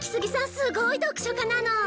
すごい読書家なの。